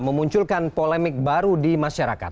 memunculkan polemik baru di masyarakat